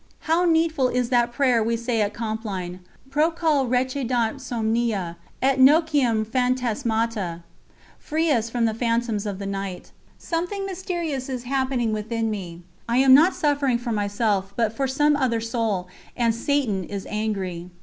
How needful is that prayer we use at Compline: 'Procul recedant somnia et noctium phantasmata!' ('Free us from the phantoms of the night.') Something mysterious is happening within me. I am not suffering for myself, but for some other soul, and satan is angry."